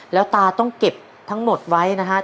แล้วตาต้องเก็บทั้งหมดไว้นะครับ